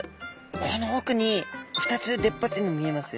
この奥に２つ出っ張ってんの見えます？